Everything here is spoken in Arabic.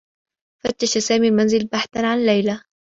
فتّش سامي المنزل بحثا عن ليلى.